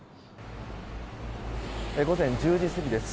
午前１０時過ぎです。